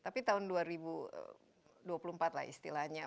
tapi tahun dua ribu dua puluh empat lah istilahnya